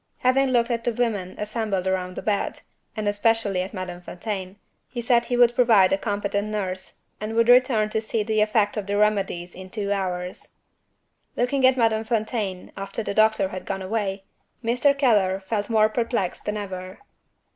Having looked at the women assembled round the bed and especially at Madame Fontaine he said he would provide a competent nurse, and would return to see the effect of the remedies in two hours. Looking at Madame Fontaine, after the doctor had gone away, Mr. Keller felt more perplexed than ever.